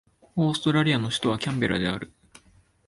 オーストラリアの首都はキャンベラである